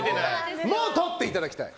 もう取っていただきたい。